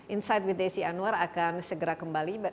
insight with desi anwar akan segera kembali